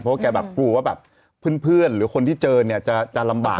เพราะแกแบบกลัวว่าแบบเพื่อนหรือคนที่เจอเนี่ยจะลำบาก